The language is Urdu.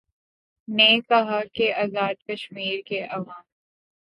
نے کہا کہ آزادکشمیر کےعوام